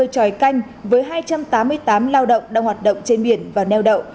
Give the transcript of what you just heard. ba trăm năm mươi tròi canh với hai trăm tám mươi tám lao động đang hoạt động trên biển và nheo động